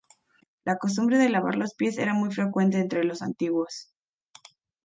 La costumbre de lavar los pies era muy frecuente entre los antiguos.